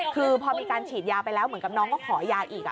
คือพอมีการฉีดยาไปแล้วเหมือนกับน้องก็ขอยาอีก